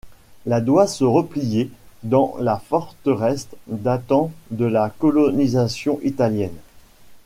La doit se replier dans la forteresse datant de la colonisation italienne.